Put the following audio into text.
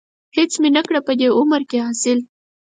هېڅ مې نه کړه په دې عمر کې حاصل.